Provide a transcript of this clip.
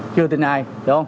chưa tin ai